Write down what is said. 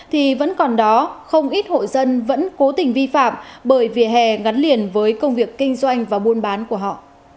thì vẫn còn đó không ít hội dân vẫn cố tình vi phạm bởi vỉa hè ngắn liền với công việc kinh doanh và buôn bán của họ